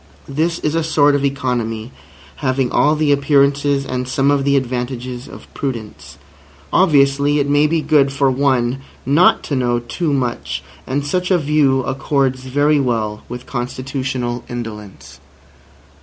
This is a sort of economy having all the appearances and some of the advantages of prudence. Obviously it may be good for one not to know too much. And such a view accords very well with constitutional indolence.